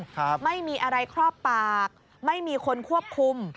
เห็นสายจูงไม่มีอะไรครอบปากไม่มีคนควบคุม